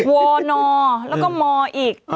ว่านอแล้วก็มออีก